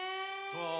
そう。